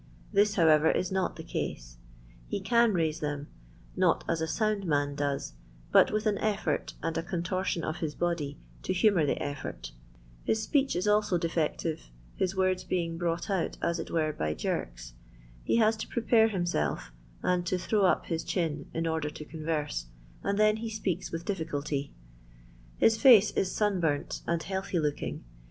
This, howerer, is not the case ; he can raise them, not as a sound man does, but with an efifbrt and a contortion of his body to humour the effort His speech is also defectiTe, his words being brought out, as it were, by jerks ; ho has to prepare him self and to throw up his chin, in order to con Terse, and then he speaks widi difficulty. His free is sun burnt and healthy looking.